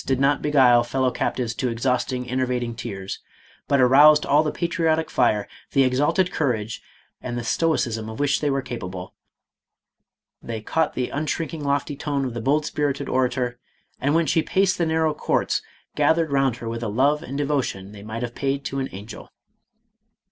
did not beguile fellow captives to exhausting, enervating tears, but aroused all the patriotic fire, the exalted courage, and the stoicism of which they were capable; they caught the unshrinking lofty tone of the bold spirited orator, and when she paced the narrow courts, gath ered round her with a love and devotion they might have paid to an angel.